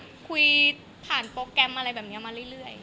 ก็คุยผ่านโปรแกรมอะไรแบบนี้มาเรื่อย